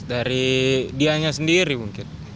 dari dianya sendiri mungkin